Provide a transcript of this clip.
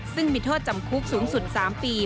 ซึ่งมีโทษจำคุกสูงสุด๓ปี